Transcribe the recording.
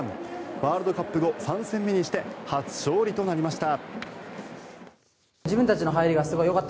ワールドカップ後３戦目にして初勝利となりました。